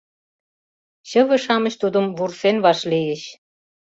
Чыве-шамыч тудым вурсен вашлийыч.